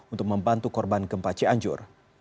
untuk membantu korban gempa cianjur